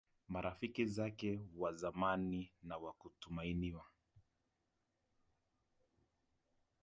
marafiki zake wa zamani na wa kutumainiwa